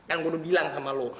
kan gue udah bilang sama lo